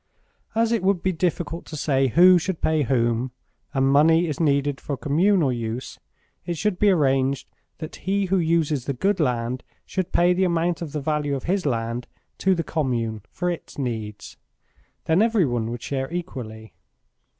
"As it would be difficult to say who should pay whom, and money is needed for communal use, it should be arranged that he who uses the good land should pay the amount of the value of his land to the commune for its needs. Then every one would share equally.